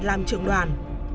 làm trưởng đoàn